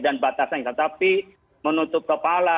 dan batasan tetapi menutup kepala